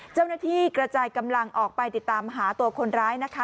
เจ้าหน้าที่กระจายกำลังออกไปติดตามหาตัวคนร้ายนะคะ